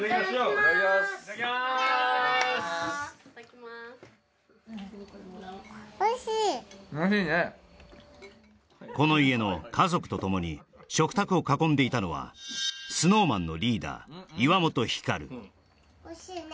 おいしいねこの家の家族とともに食卓を囲んでいたのはＳｎｏｗＭａｎのリーダー岩本照おいしいね